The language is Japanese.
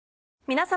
皆様。